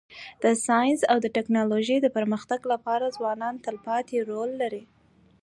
د ساینس او ټکنالوژۍ د پرمختګ لپاره ځوانان تلپاتی رول لري.